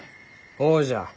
ほうじゃ。